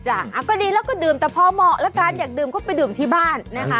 อ่ะก็ดีแล้วก็ดื่มแต่พอเหมาะแล้วกันอยากดื่มก็ไปดื่มที่บ้านนะคะ